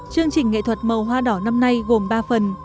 chương trình nghệ thuật màu hoa đỏ năm nay gồm ba phần